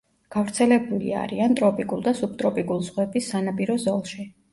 გავრცელებული არიან ტროპიკულ და სუბტროპიკულ ზღვების სანაპირო ზოლში.